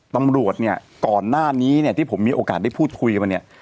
ตำรวจเนี่ยก่อนหน้านี้เนี่ยที่ผมมีโอกาสได้พูดคุยกันมาเนี่ย